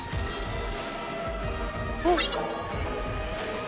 ・あっ！